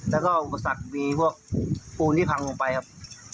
แล้วก็อุปสรรคมีพวกปูนที่พังลงไปครับ